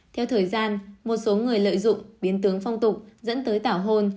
theo thời gian một số người lợi dụng biến tướng phong tục dẫn tới tảo hôn